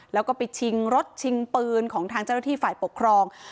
แล้วก็ไปชิงรถชิงปืนของทางเจ้าหน้าที่ฝ่ายปกครอง